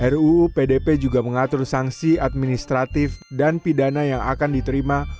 ruu pdp juga mengatur sanksi administratif dan pidana yang akan diterima